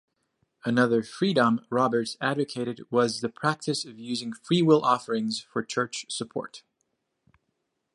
Another "freedom" Roberts advocated was the practice of using freewill offerings for church support.